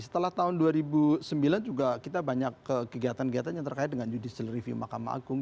setelah tahun dua ribu sembilan juga kita banyak kegiatan kegiatan yang terkait dengan judicial review mahkamah agung